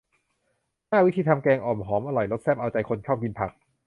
ห้า วิธีทำแกงอ่อม หอมอร่อยรสแซ่บเอาใจคนชอบกินผัก